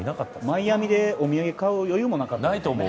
マイアミでお土産買う余裕もなかったと思う。